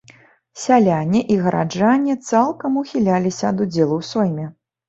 Сяляне і гараджане цалкам ухіляліся ад удзелу ў сойме.